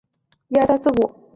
灰狐是岛屿灰狐的祖先。